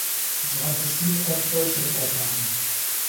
So hatte Seed auch deutsche Vorfahren.